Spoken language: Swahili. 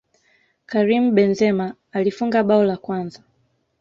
karim benzema alifunga bao la kwanza